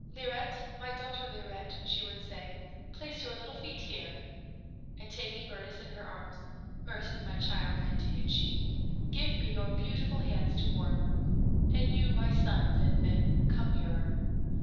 "Lirette, my daughter Lirette," she would say, "place your little feet here." And taking Mirtis in her arms, "Mirtis, my child," continued she, "give me your beautiful hands to warm; and you my son, Finfin, come nearer."